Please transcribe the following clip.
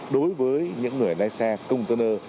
đối với những người lái xe container